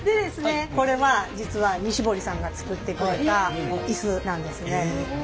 これは実は西堀さんが作ってくれたイスなんですね。